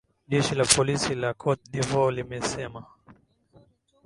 jeshi la polisi la cote de voire limesema